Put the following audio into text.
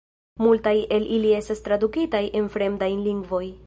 Multaj el ili estas tradukitaj en fremdajn lingvojn.